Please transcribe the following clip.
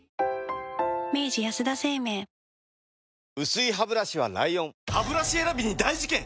薄いハブラシは ＬＩＯＮハブラシ選びに大事件！